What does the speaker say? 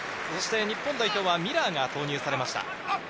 日本代表はミラーが投入されました。